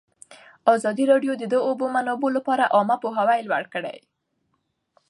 ازادي راډیو د د اوبو منابع لپاره عامه پوهاوي لوړ کړی.